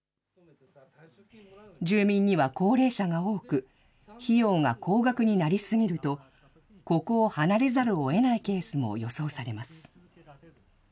住民には高齢者が多く、費用が高額になり過ぎると、ここを離れざるをえないケースも予想されます。